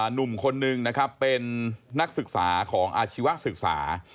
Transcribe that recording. หนุ่มคนนึงนะครับเป็นนักศึกษาของอาชีวศึกษา